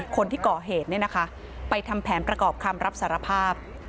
คนที่ก่อเหตุไปทำแผนประกอบคำรับสารภาพ